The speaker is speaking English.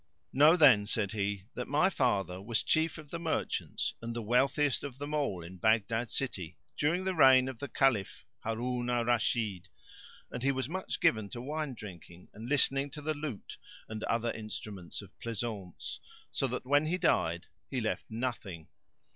Know then, said he, that my father was chief of the merchants and the wealthiest of them all in Baghdad city during the reign of the Caliph Harun al Rashid; and he was much given to wine drinking and listening to the lute and the other instruments of pleasaunce; so that when he died he left nothing.